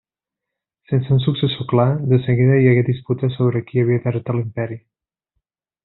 Sense un successor clar, de seguida hi hagué disputes sobre qui havia d'heretar l'imperi.